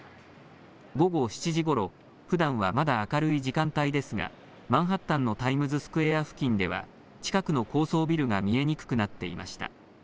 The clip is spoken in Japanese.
午後７時ごろ、ふだんはまだ明るい時間帯ですがマンハッタンのタイムズスクエア付近では近くの高層ビルが見えにくくなっていました。